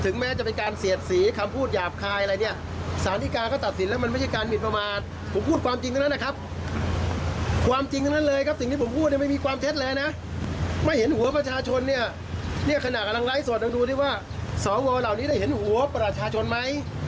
เนี่ยขนาดกำลังไร้ส่วนดูดิว่าสอวอเหล่านี้ได้เห็นหัวประชาชนไหม